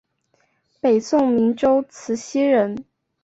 北宋明州慈溪人。